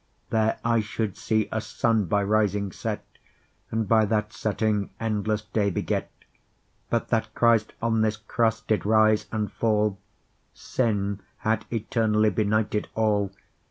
There I should see a Sunne, by rising set, And by that setting endlesse day beget; But that Christ on this Crosse, did rise and fall, Sinne had eternally benighted all.